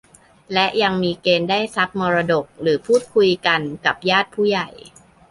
และยังมีเกณฑ์ได้ทรัพย์มรดก หรือพูดคุยกันกับญาติผู้ใหญ่